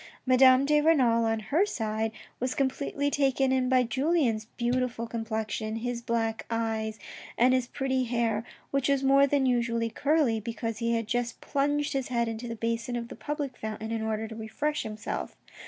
Madame de Renal, on her side, was completely taken in by Julien's beautiful complexion, his big black eyes, and his pretty hair, which was more than usually curly, because he had just plunged his head into the basin of the public fountain in order to refresh himself.